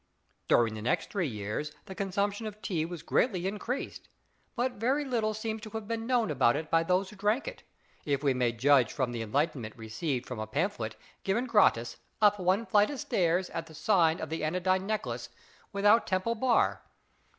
During the next three years the consumption of tea was greatly increased; but very little seems to have been known about it by those who drank it if we may judge from the enlightenment received from a pamphlet, given gratis, "up one flight of stairs, at the sign of the Anodyne Necklace, without Temple Bar."